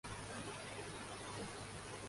موسیقی روح کی غذا نہیں ہے